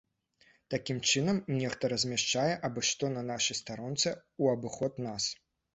Такім чынам, нехта размяшчае абы-што на нашай старонцы ў абыход нас.